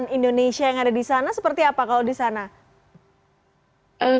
makanan indonesia yang ada di sana seperti apa kalau di sana